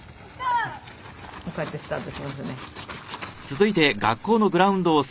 こうやってスタートしますね。